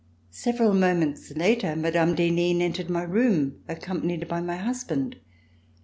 Several moments later, Mme. d'Henin entered my room accompanied by my hushand.